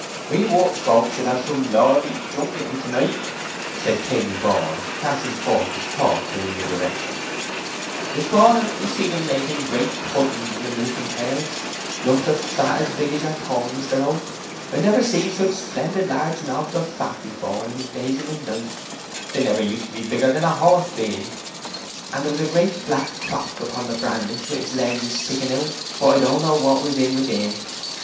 "We workfolk shall have some lordly junketing to night," said Cainy Ball, casting forth his thoughts in a new direction. "This morning I see 'em making the great puddens in the milking pails—lumps of fat as big as yer thumb, Mister Oak! I've never seed such splendid large knobs of fat before in the days of my life—they never used to be bigger then a horse bean. And there was a great black crock upon the brandish with his legs a sticking out, but I don't know what was in within."